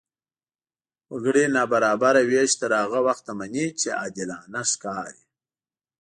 وګړي نابرابره وېش تر هغه وخته مني، چې عادلانه ښکاري.